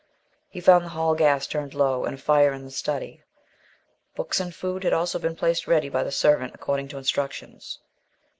He found the hall gas turned low, and a fire in the study. Books and food had also been placed ready by the servant according to instructions.